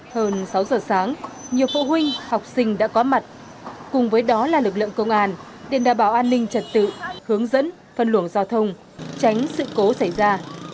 hơn sáu giờ sáng nhiều phụ huynh học sinh đã có mặt cùng với đó là lực lượng công an để đảm bảo an ninh trật tự hướng dẫn phân luồng giao thông tránh sự cố xảy ra